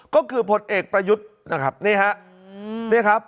ก็คือผลเอกประยุทธ์นะครับนี่ฮะนี่ครับ